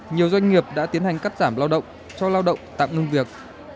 nhiều doanh nghiệp đã tiến hành cắt giảm lao động cho lao động tạm ngưng việc